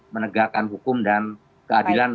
menegakkan hukum dan keadilan